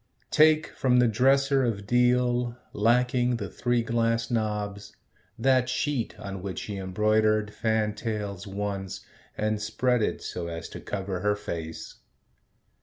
Take from the dresser of deal, Lacking the three glass knobs, that sheet On which she embroidered fantails once And spread it so as to cover her face.